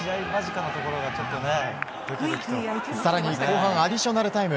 更に後半アディショナルタイム。